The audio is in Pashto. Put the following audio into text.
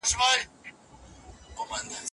هغه بدلونونه چي په اقتصاد کي راځي، مهم دي.